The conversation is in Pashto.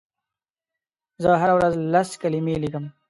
زه هره ورځ لس کلمې لیکم.